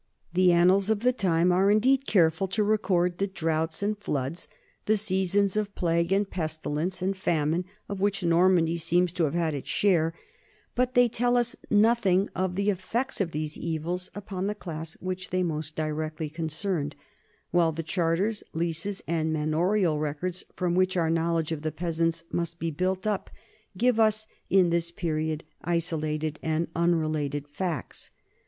The annals of the time are indeed careful to record the drouths and floods, the seasons of plague, pes tilence, and famine of which Normandy seems to have had its share, but they tell us nothing of the effects of these evils upon the class which they most directly con cerned ; while the charters, leases, and manorial records from which our knowledge of the peasants must be built up give us in this period isolated and unrelated facts.